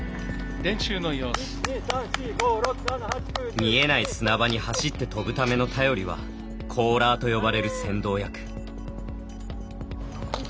見えない砂場に走って跳ぶための便りはコーラーと呼ばれる先導役。